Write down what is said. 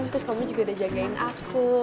terus kamu juga udah jagain aku